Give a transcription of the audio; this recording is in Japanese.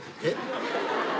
えっ？